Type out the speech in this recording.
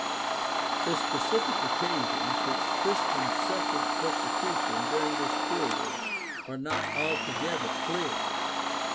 The specific occasions when Christians suffered persecu tion during this period are not altogether clear.